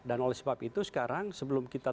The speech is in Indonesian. dan oleh sebab itu sekarang sebelum kita